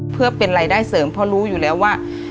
เพื่อเป็นรายได้เสริมเพราะรู้อยู่แล้วว่า